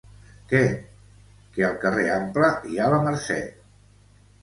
Què? —Que al carrer Ample hi ha la Mercè.